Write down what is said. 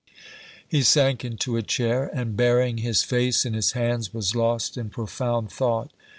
He sank into a chair, and, burying his face in his hands, was lost in profound thought.